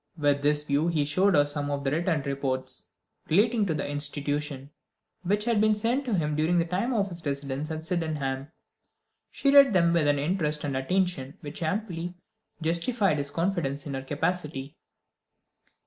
With this view he showed her some written reports, relating to the institution, which had been sent to him during the time of his residence at Sydenham. She read them with an interest and attention which amply justified his confidence in her capacity.